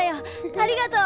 ありがとう。